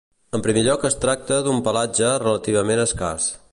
En primer lloc es tracta d'un pelatge relativament escàs.